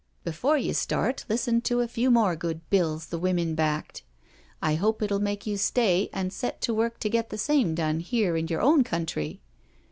'* Before you start listen to a few more good Bills the women backed — I hope it will make you stay and set to work to get the same done here in your Own country.